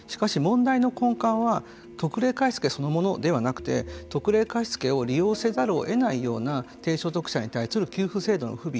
しかし、問題の根幹は特例貸付そのものではなくて特例貸付を利用せざるを得ないような低所得者に対する給付制度の不備